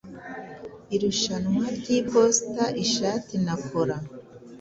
Irushanwa ryiposita-ishati na cola